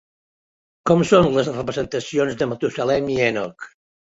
Com són les representacions de Matusalem i Henoc?